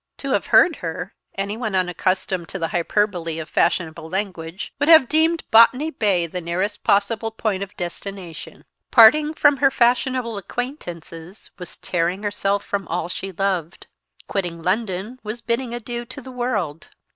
To have heard her, anyone unaccustomed to the hyperbole of fashionable language would have deemed Botany Bay the nearest possible point of destination. Parting from her fashionable acquaintances was tearing herself from all she loved; quitting London was bidding adieu to the world.